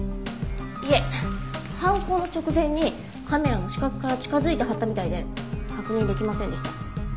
いえ犯行の直前にカメラの死角から近づいて貼ったみたいで確認できませんでした。